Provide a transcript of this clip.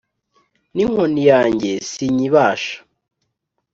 n’inkoni yanjye sinyibasha